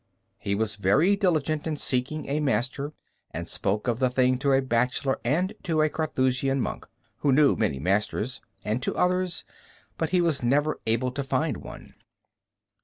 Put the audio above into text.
He was very diligent in seeking a master, and spoke of the matter to a bachelor and to a Carthusian monk, who knew many masters, and to others, but he was never able to find one.